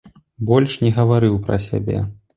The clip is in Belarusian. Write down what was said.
Больш не гаварыў пра сябе.